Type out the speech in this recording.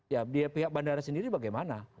ya pihak bandara sendiri bagaimana